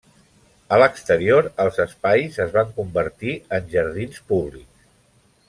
A l'exterior els espais es van convertir en jardins públics.